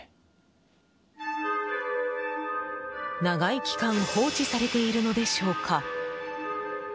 長い期間放置されているのでしょうか。